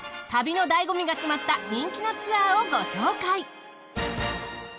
旅のだいご味が詰まった人気のツアーをご紹介。